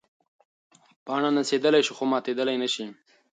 پاڼه نڅېدلی شي خو ماتېدلی نه شي.